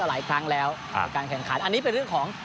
หลายครั้งแล้วกับการแข่งขันอันนี้เป็นเรื่องของ